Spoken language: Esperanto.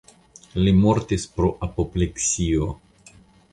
Li mortis pro apopleksio.